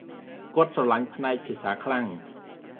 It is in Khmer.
គាត់ស្រលាញ់ផ្នែកភាសាខ្លាំង ។